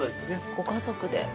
ご家族で。